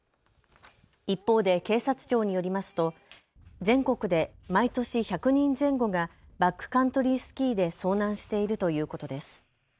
一方で警察庁によりますと全国で毎年１００人前後がバックカントリースキーで遭難しているということです。